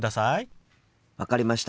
分かりました。